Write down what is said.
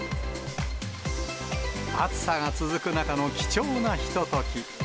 暑さが続く中の貴重なひととき。